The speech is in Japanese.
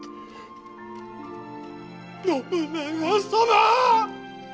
信長様！